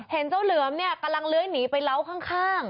เห็นเจ้าเหลือมเนี่ยกำลังเลื้อยหนีไปเล้าข้าง